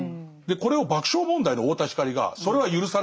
これを爆笑問題の太田光がそれは許されない。